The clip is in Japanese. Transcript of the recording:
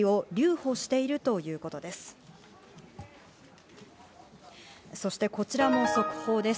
そしてこちらも速報です。